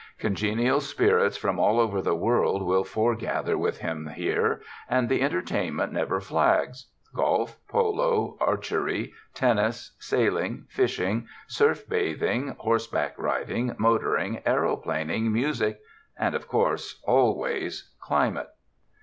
Congenial spirits from all over the world will foregather with him here, and the entertainment never flags — golf, polo, arch ery, tennis, sailing, fishing, surf bathing, horseback riding, motoring, aeroplaning, music— and, of course, always climate.